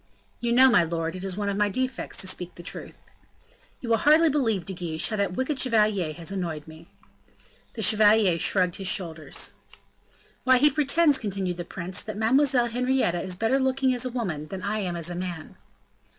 "You know, my lord, it is one of my defects to speak the truth." "You will hardly believe, De Guiche, how that wicked chevalier has annoyed me." The chevalier shrugged his shoulders. "Why, he pretends," continued the prince, "that Mademoiselle Henrietta is better looking as a woman than I am as a man."